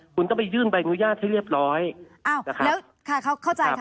คุณต้องไปยื่นใบอนุญาตให้เรียบร้อยอ้าวแล้วค่ะเขาเข้าใจค่ะ